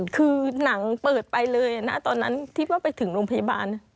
คือหนังเปิดไปเลยนะตอนนั้นที่ว่าไปถึงโรงพยาบาล